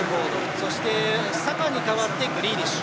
そして、サカに代わってグリーリッシュ。